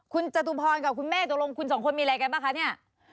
คุณจตุพรกับคุณแม่ตกลงคุณสองคนมีอะไรกันบ้างคะเนี่ย